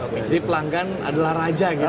jadi pelanggan adalah raja gitu ya